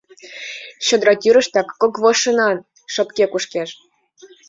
Чодра тӱрыштак кок вожынан шопке кушкеш.